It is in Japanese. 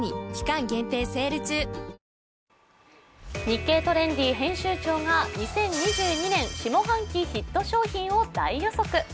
「日経トレンディ」編集長が２０２２年下半期ヒット商品を大予測。